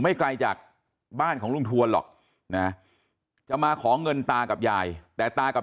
ไกลจากบ้านของลุงทวนหรอกนะจะมาขอเงินตากับยายแต่ตากับ